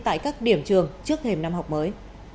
tại các điểm trường trước thềm năm học mới